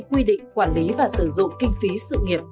quy định quản lý và sử dụng kinh phí sự nghiệp